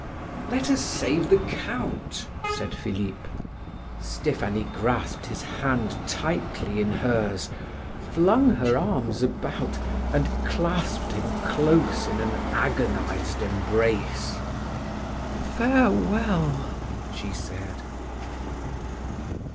"Let us save the Count," said Philip. Stephanie grasped his hand tightly in hers, flung her arms about, and clasped him close in an agonized embrace. "Farewell!" she said.